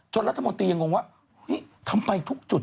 รัฐมนตรียังงงว่าเฮ้ยทำไมทุกจุด